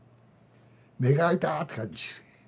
目があいたって感じ。